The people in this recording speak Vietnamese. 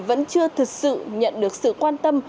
vẫn chưa thực sự nhận được sự quan tâm